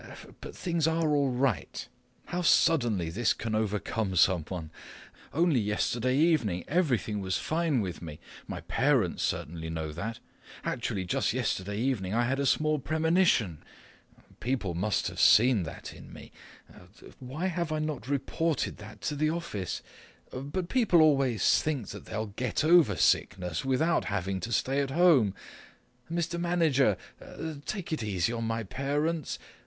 But things are all right. How suddenly this can overcome someone! Only yesterday evening everything was fine with me. My parents certainly know that. Actually just yesterday evening I had a small premonition. People must have seen that in me. Why have I not reported that to the office? But people always think that they'll get over sickness without having to stay at home. Mr. Manager! Take it easy on my parents!